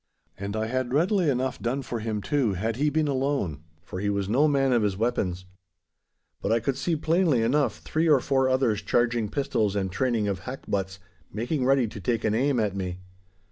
And I had readily enough done for him, too, had he been alone, for he was no man of his weapons. But I could see plainly enough three or four others charging pistols and training of hackbutts, making ready to take an aim at me.